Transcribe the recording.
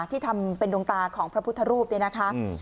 ที่ทำเป็นดวงตาของพระพุทธรูปเนี่ยนะคะ